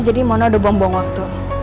jadi mona udah bong bong waktu